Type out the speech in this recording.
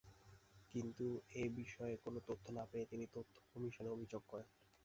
কিন্তু এ বিষয়ে কোনো তথ্য না পেয়ে তিনি তথ্য কমিশনে অভিযোগ করেন।